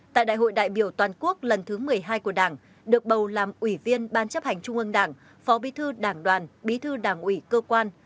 tại đại hội đại biểu toàn quốc lần thứ một mươi hai của đảng được bầu làm ủy viên ban chấp hành trung ương đảng phó bí thư đảng đoàn bí thư đảng ủy cơ quan